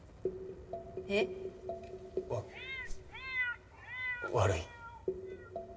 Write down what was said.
えっ？わ悪い。